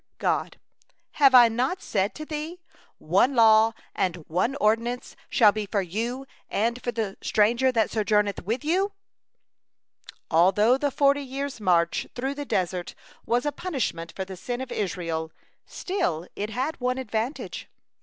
God: "Have I not said to thee, 'One law and one ordinance shall be for you and for the stranger that sojourneth with you?'" Although the forty years' march through the desert was a punishment for the sin of Israel, still it had one advantage.